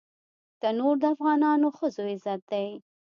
تنور د افغانو ښځو عزت دی